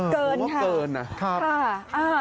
เกินค่ะค่ะผมว่าเกิน